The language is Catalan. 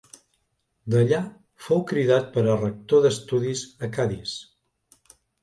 D'allà fou cridat per a rector d'estudis a Cadis.